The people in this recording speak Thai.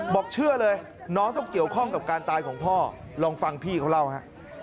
บอกเชื่อเลยน้องต้องเกี่ยวข้องกับการตายของพ่อลองฟังพี่เขาเล่าฮะ